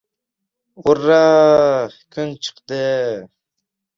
— Ura-a-a, kun chiqdi!